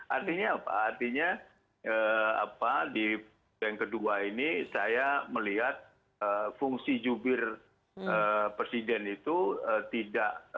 artinya apa artinya di yang kedua ini saya melihat fungsi jubir presiden itu tidak